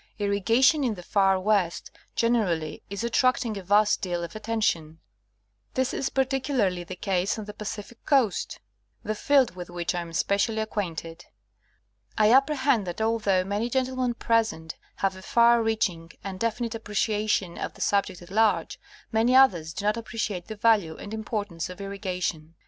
Irrigation in the far west, generally, is attracting a vast deal of attention. This is particularly the case on the Pacific Coast — the field with which VOL. I, 21 278 National Geograjyhio Magazine. I am specially acquainted. I apprehend that although many gen tlemen present have a far reaching and definite appreciation of the subject at large, many others do not appreciate the value and importance of irrigation.